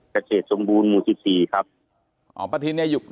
กระเทศสมบูรณ์หมู่๑๔ครับ